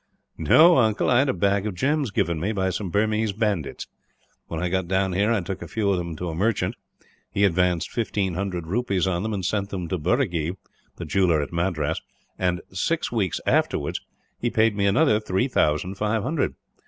"No, uncle. I had a bag of gems given me, by some Burmese bandits. When I got down here, I took a few of them to a merchant. He advanced fifteen hundred rupees on them, and sent them to Burragee, the jeweller at Madras and, six weeks afterwards, he paid me another three thousand five hundred.